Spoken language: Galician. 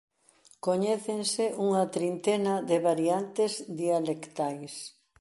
Coñécense unha trintena de variantes dialectais.